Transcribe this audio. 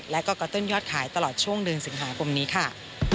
และก็กระตุ้นยอดขายตลอดช่วงดึงสินค้าปุ่มนี้ค่ะ